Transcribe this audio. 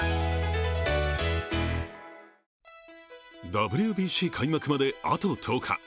ＷＢＣ開幕まであと１０日。